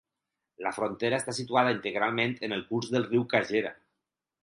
La frontera està situada integralment en el curs del riu Kagera.